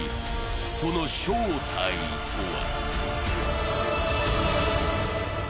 その正体とは？